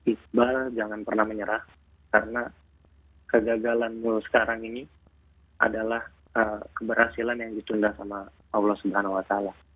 iqbal jangan pernah menyerah karena kegagalanmu sekarang ini adalah keberhasilan yang ditunda sama allah swt